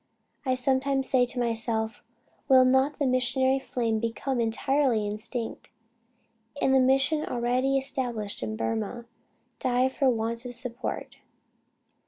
I sometimes say to myself, Will not the missionary flame become entirely extinct, and the mission already established in Burmah, die for want of support?...